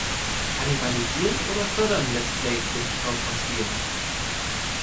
Kannibalisieren oder fördern Let's Plays den Verkauf von Spielen?